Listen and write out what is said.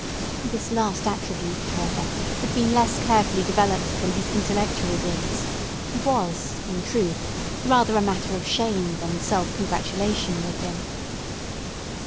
This last attribute, however, had been less carefully developed than his intellectual gifts, and was, in truth, rather a matter of shame than self congratulation with him.